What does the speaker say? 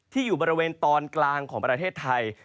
อยู่บริเวณตอนกลางของประเทศไทย